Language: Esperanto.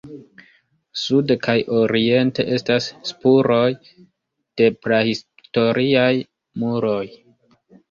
Sude kaj oriente estas spuroj de prahistoriaj muroj.